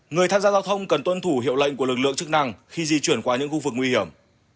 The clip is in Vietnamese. người tham gia giao thông cần tuân thủ hiệu lệnh của lực lượng chức năng khi di chuyển qua những khu vực nguy hiểm